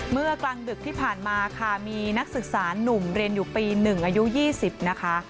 เมื่อกลางดึกที่ผ่านมาค่ะมีนักศึกษานุ่มเรียนอยู่ปี๑อายุ๒๐นะคะ